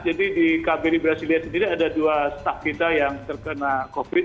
jadi di kaberi brasilia sendiri ada dua staff kita yang terkena covid sembilan belas